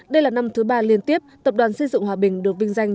đây là năm thứ ba liên tiếp tập đoàn xây dựng hòa bình được vinh danh